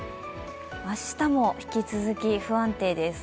明日も引き続き、不安定です。